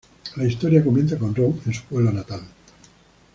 La historia comienza con Ron en su pueblo natal.